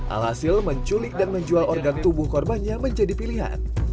alhasil menculik dan menjual organ tubuh korbannya menjadi pilihan